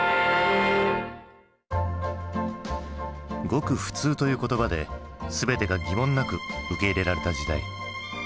「ごく普通」という言葉で全てが疑問なく受け入れられた時代。